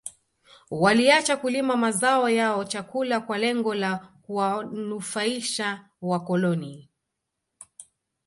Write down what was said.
Waliacha kulima mazao ya chakula kwa lengo la kuwanufaisha wakoloni